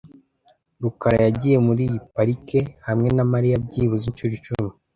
rukara yagiye muri iyi parike hamwe na Mariya byibuze inshuro icumi .